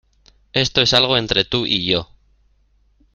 Esto es algo entre tú y yo.